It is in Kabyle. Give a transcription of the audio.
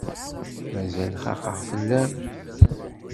Mazal xaqeɣ fell-am.